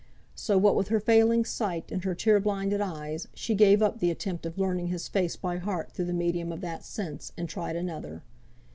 So what with her failing sight, and her tear blinded eyes, she gave up the attempt of learning his face by heart through the medium of that sense, and tried another.